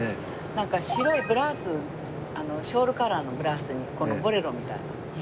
なんか白いブラウスショールカラーのブラウスにボレロみたいな。